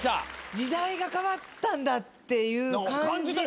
時代が変わったんだっていう感じ。